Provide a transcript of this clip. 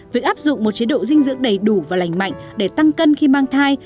việc áp dụng một chế độ dinh dưỡng đầy đủ và lành mạnh để tăng cân khi mang thai